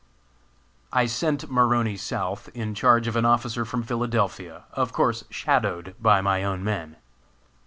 I sent Maroney South in charge of an officer from Philadelphia, of course "shadowed" by my own men.